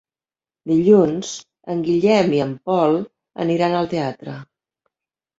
Dilluns en Guillem i en Pol aniran al teatre.